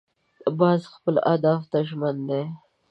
باز خپلو اهدافو ته ژمن دی